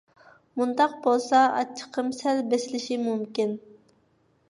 مۇنداق بولسا ئاچچىقىم سەل بېسىلىشى مۇمكىن.